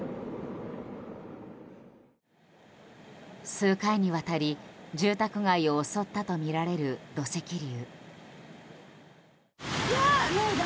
数回にわたり、住宅街を襲ったとみられる土石流。